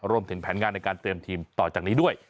รวมถึงแผนงานในการเตรียมทีมต่อจากนี้ด้วย